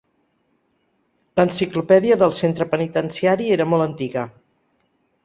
L'enciclopèdia del centre penitenciari era molt antiga.